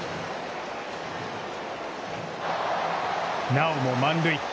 なおも満塁。